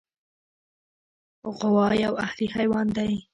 غوا یو اهلي حیوان دی.